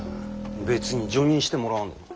別に叙任してもらわんでも。